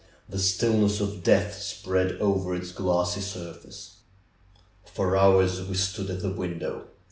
The stillness of death spread over its glassy surface. For hours we stood at the window.